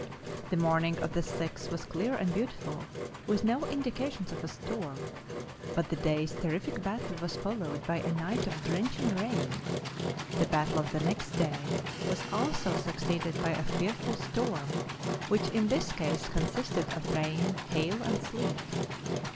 The morning of the 6th was clear and beautiful, with no indications of a storm; but the day's terrific battle was followed by a night of drenching rain. The battle of the next day was also succeeded by a fearful storm, which in this case consisted of rain, hail and sleet.